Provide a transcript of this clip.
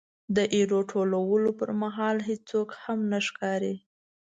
د ایرو ټولولو پرمهال هېڅوک هم نه ښکاري.